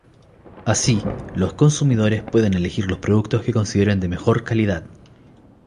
Así, los consumidores pueden elegir los productos que consideren de mejor calidad.